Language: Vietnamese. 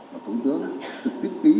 và cũng tưởng thực tiết ký